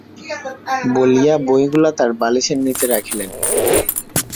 বলিয়া বইগুলা তাঁর বালিশের নীচে রাখিলেন।